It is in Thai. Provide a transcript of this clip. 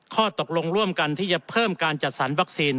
ข้อตกลงร่วมกันที่จะเพิ่มการจัดสรรวัคซีน